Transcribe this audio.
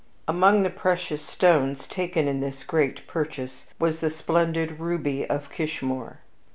Among the precious stones taken in this great purchase was the splendid ruby of Kishmoor.